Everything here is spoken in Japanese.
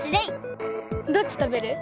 どっち食べる？